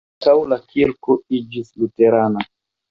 Ankaŭ la kirko iĝis luterana.